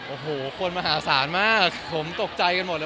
โอ้โหคนมหาศาลมากผมตกใจกันหมดเลย